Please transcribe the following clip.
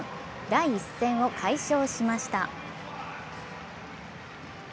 第１戦を快勝しました。